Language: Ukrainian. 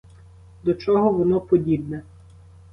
До чого воно подібне?